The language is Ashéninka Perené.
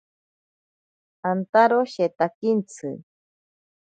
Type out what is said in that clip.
Antaro shetakintsi.